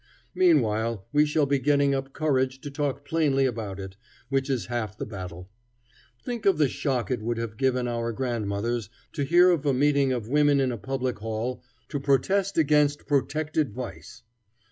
Meanwhile we shall be getting up courage to talk plainly about it, which is half the battle. Think of the shock it would have given our grandmothers to hear of a meeting of women in a public hall "to protest against protected vice."